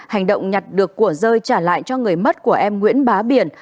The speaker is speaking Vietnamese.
hành động nhặt được của rơi trả lại cho người mất của em nguyễn bá biển